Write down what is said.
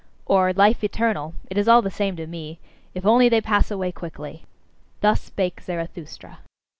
Or "life eternal"; it is all the same to me if only they pass away quickly! Thus spake Zarathustra.